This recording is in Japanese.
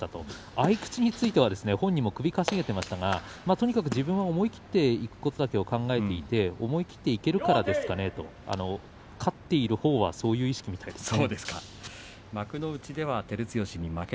合い口については本人も首をかしげていましたが、とにかく自分は思い切っていくことだけを考えて思い切っていけるんですかねと勝っているほうはそういう意識みたいですね。